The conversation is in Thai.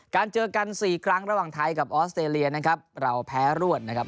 เจอกันสี่ครั้งระหว่างไทยกับออสเตรเลียนะครับเราแพ้รวดนะครับ